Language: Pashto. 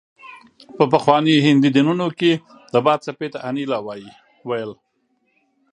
په پخواني هندي دینونو کې د باد څپې ته انیلا ویل